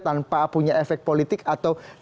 tanpa punya efek politik atau